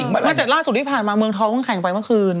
มาจากล่าสุดที่ผ่านมาเมืองท้องก็แข่งไปเมื่อคืน